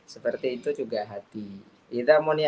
seperti itu juga hati